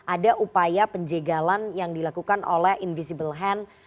ada upaya penjagalan yang dilakukan oleh invisible hand